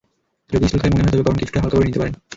যদি স্থূলকায় মনে হয়, তবে গড়ন কিছুটা হালকা করে নিতে পারেন।